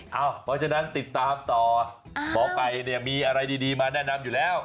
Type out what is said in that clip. เพราะฉะนั้นติดตามต่อหมอไก่เนี่ยมีอะไรดีมาแนะนำอยู่แล้ว